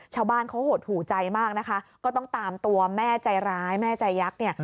ชาวบ้านเขาหดหูใจมากนะคะก็ต้องตามตัวแม่ใจร้ายแม่ใจยักษ์เนี่ย